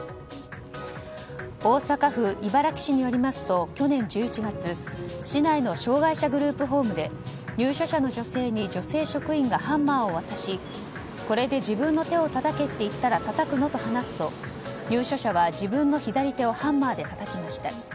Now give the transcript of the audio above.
大阪府茨木市によりますと去年１１月市内の障害者グループホームで入所者の女性に女性職員がハンマーを渡しこれで自分の手をたたけって言ったらたたくの？と話すと入所者は自分の左手をハンマーでたたきました。